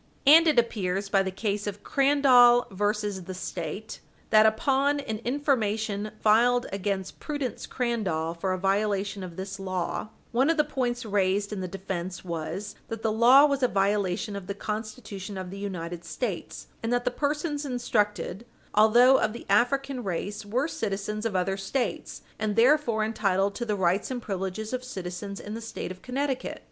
And it appears by the case of Crandall v. The State, reported in 10 Conn. Rep. 340, that upon an information filed against Prudence Crandall for a violation of this law, one of the points raised in the defence was that the law was a violation of the Constitution of the United States, and that the persons instructed, although of the African race, were citizens of other States, and therefore entitled to the rights and privileges of citizens in the State of Connecticut.